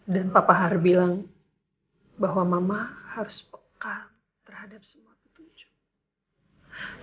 dan papa har bilang bahwa mama harus kak terhadap semua petunjuk